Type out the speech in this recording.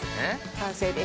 完成です。